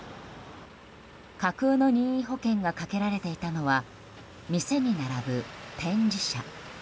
架空の任意保険が掛けられていたのは店に並ぶ展示車。